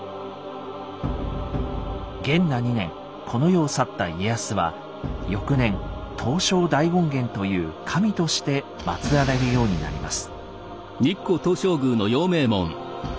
元和２年この世を去った家康は翌年「東照大権現」という神としてまつられるようになります。